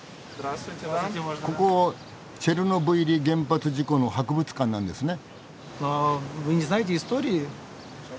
ここチェルノブイリ原発事故の博物館なんですね？